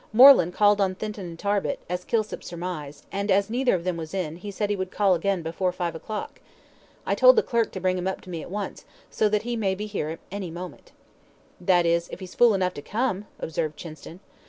"Moreland called on Thinton and Tarbit, as Kilsip surmised, and as neither of them was in, he said he would call again before five o'clock. I told the clerk to bring him up to me at once, so he may be here at any moment." "That is, if he's fool enough to come," observed Chinston.